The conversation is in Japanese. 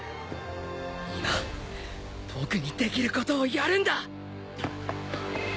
今僕にできることをやるんだ